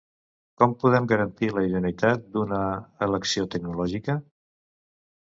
Com podem garantir la idoneïtat d’una elecció tecnològica?